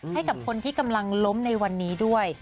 ให้กับคนที่กำลังล้มในวันนี้ด้วย